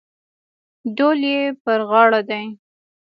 ډول یې پر غاړه دی.